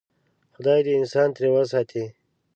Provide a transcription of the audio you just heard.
خدای دې انسان ترې وساتي.